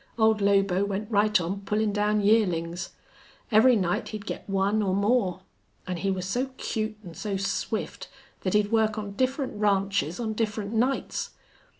Old Lobo went right on pullin' down yearlings. Every night he'd get one or more. An' he was so cute an' so swift that he'd work on different ranches on different nights.